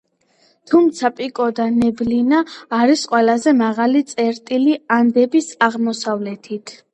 თუმცა პიკო-და-ნებლინა არის ყველაზე მაღალი წერტილი ანდების აღმოსავლეთით.